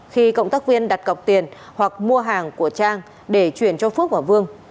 khi cộng tác viên đặt cọc tiền hoặc mua hàng của trang để chuyển cho phước và vương